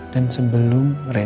dan sebelum rena datang